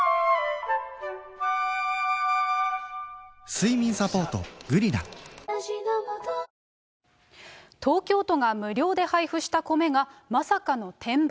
睡眠サポート「グリナ」東京都が無料で配布した米がまさかの転売。